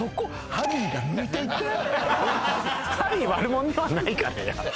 ハリー悪者ではないから。